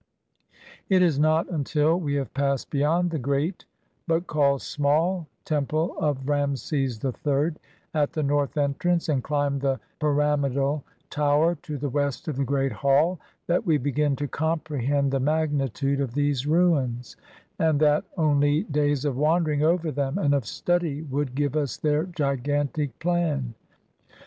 It is not untU we have passed beyond the great — but called small — temple of Rameses III, at the north entrance, and climbed the pyramidal tower to the west of the Great Hall, that we begin to comprehend the magnitude of these ruins, and that only days of wandering over them and of study would give us their gigantic plan.